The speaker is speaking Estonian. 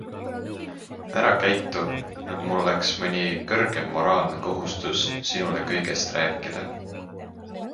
Ära käitu nagu mul oleks mõni kõrgem moraalne kohustus sinule kõigest rääkida.